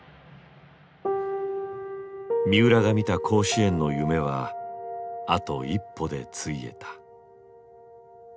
三浦が見た甲子園の夢はあと一歩でついえた。